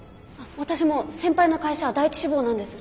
私も先輩の会社第１志望なんです。